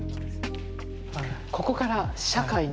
ここから社会に。